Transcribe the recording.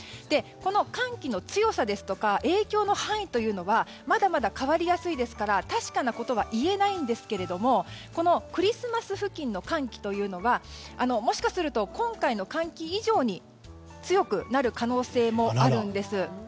寒気の強さですとか影響の範囲というのはまだまだ変わりやすいですから確かなことは言えませんがクリスマス付近の寒気というのはもしかすると今回の寒気以上に強くなる可能性もあるんです。